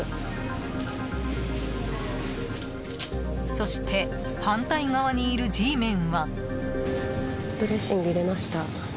そして反対側にいるＧメンは。